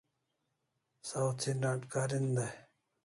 Saw thi nat karin dai